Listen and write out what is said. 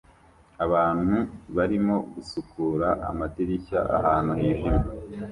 abantu barimo gusukura amadirishya ahantu hijimye